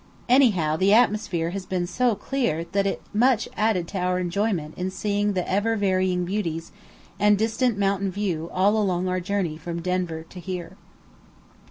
Anyhow the atmosphere has been so clear that it much added to our enjoyment in seeing the ever varying beauties and distant mountain view all along our journey from Denver here.